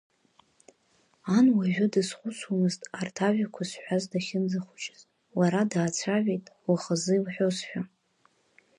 Ан уажәы дазхәыцуамызт арҭ ажәақәа зҳәаз дахьынӡахәыҷыз, лара даацәажәеит, лхазы илҳәозшәа…